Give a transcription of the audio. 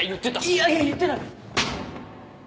いやいや言ってない。